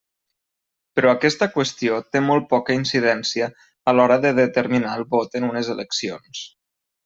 Però aquesta qüestió té molt poca incidència a l'hora de determinar el vot en unes eleccions.